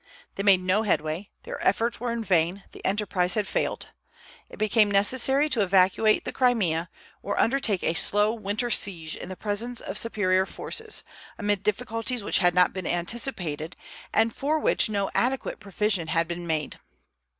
They made no headway; their efforts were in vain; the enterprise had failed. It became necessary to evacuate the Crimea, or undertake a slow winter siege in the presence of superior forces, amid difficulties which had not been anticipated, and for which no adequate provision had been made.